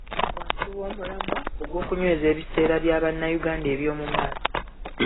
Wansi w'omulamwa ogw'okunyweza ebiseera bya Bannayuganda eby'omu maaso.